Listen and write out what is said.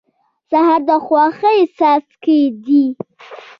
سهار د خوښۍ څاڅکي دي.